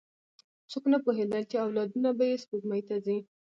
څوک نه پوهېدل، چې اولادونه به یې سپوږمۍ ته ځي.